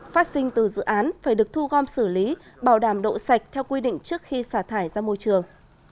phát sinh từ dự án phải được thu gom xử lý bảo đảm độ sạch theo quy định trước khi xả thải ra môi trường